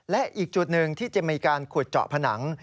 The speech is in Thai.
และอีกจุดหนึ่งที่จะมีการขุดเจาะผนัง